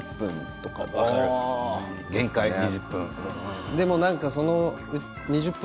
限界２０分。